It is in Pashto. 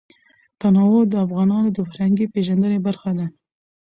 تنوع د افغانانو د فرهنګي پیژندنې برخه ده.